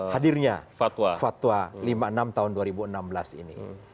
hadirnya fatwa lima puluh enam tahun dua ribu enam belas ini